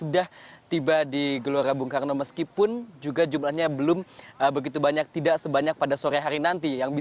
dika selamat siang